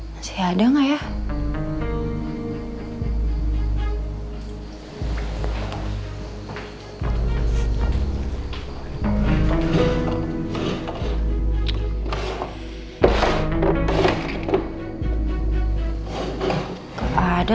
masih ada nggak ya